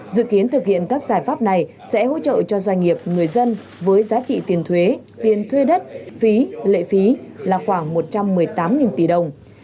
dự kiến thực hiện các giải pháp này sẽ hỗ trợ cho doanh nghiệp người dân với giá trị tiền thuế tiền thuê đất phí lệ phí là khoảng một trăm một mươi tám tỷ đồng